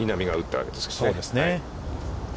そうですね。